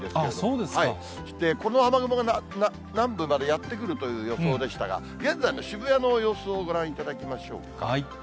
そして、この雨雲が南部までやって来るという予想でしたが、現在の渋谷の様子をご覧いただきましょうか。